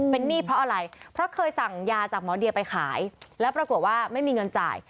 เป็นหนี้เพราะอะไรเพราะเคยสั่งยาจากหมอเดียไปขายแล้วปรากฏว่าไม่มีเงินจ่าย